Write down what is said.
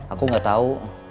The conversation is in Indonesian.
aku gak tau